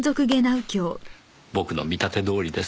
僕の見立てどおりです。